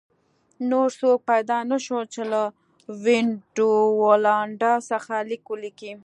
نور څوک پیدا نه شول چې له وینډولانډا څخه لیک ولیکي